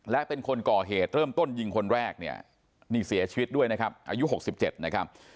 และเป็นคนก่อเหตุเริ่มต้นยิงคนแรกเนี่ยนี่เสียชีวิตด้วยนะครับอายุ๖๗นะครับ